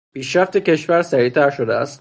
پیشرفت کشور سریعتر شده است.